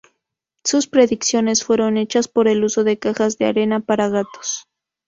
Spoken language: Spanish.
Sus predicciones fueron hechas por el uso de cajas de arena para gatos.